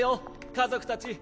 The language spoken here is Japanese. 家族たち。